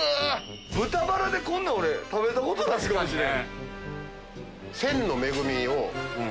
豚バラでこんなん俺食べたことないかもしれん。